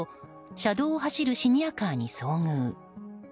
車道を走るシニアカーに遭遇。